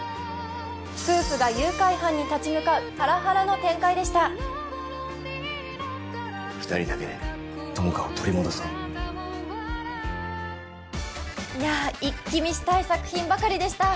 夫婦が誘拐犯に立ち向かうハラハラの展開でした二人だけで友果を取り戻そういやイッキ見したい作品ばかりでした